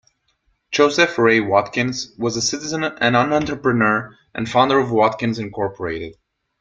Joseph Ray Watkins, was a citizen and an entrepreneur and founder of Watkins Incorporated.